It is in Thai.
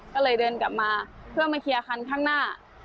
ก็เลยเดินกลับมาเพื่อมาเคลียร์คันข้างหน้า